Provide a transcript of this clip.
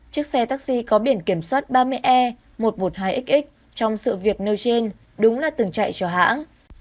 chiếc xe taxi có biển kiểm soát ba mươi e một trăm một mươi hai x trong sự việc nêu trên đúng là từng chạy cho hãng